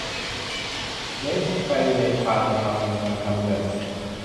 เน้นไปในทางทำงานทำเงิน